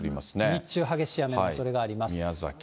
日中激しい雨のおそれがあり宮崎。